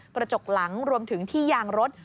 กระจกหลังรวมถึงที่ยางรถ